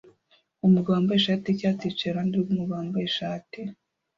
Umugabo wambaye ishati yicyatsi yicaye iruhande rwumugabo wambaye ishati